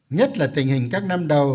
nhất là tình hình các năm đầu